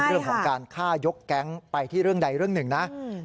เรื่องของการฆ่ายกแก๊งไปที่เรื่องใดเรื่องหนึ่งนะ